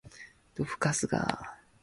どぶカスが